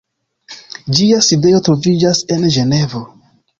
Ĝia sidejo troviĝas en Ĝenevo.